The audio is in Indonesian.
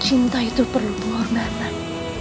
cinta itu perlu dihormatkan